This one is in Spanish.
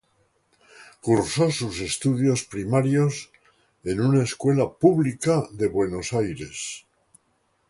Cursó sus estudios primarios en una escuela pública de Buenos Aires.